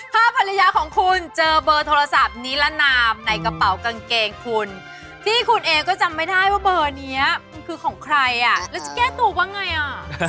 ถ้าภรรยาของคุณเจอเบอร์โทรศัพท์นิรนามในกระเป๋ากางเกงคุณที่คุณเองก็จำไม่ได้ว่าเบอร์นี้มันคือของใครอ่ะแล้วจะแก้ตัวว่าไงอ่ะ